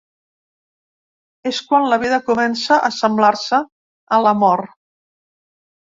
És quan la vida comença a assemblar-se a la mort.